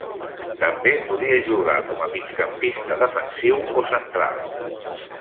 També podia jugar com a migcampista defensiu o central.